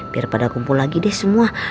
biar pada kumpul lagi deh semua